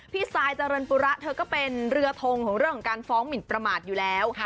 ซายเจริญปุระเธอก็เป็นเรือทงของเรื่องของการฟ้องหมินประมาทอยู่แล้ว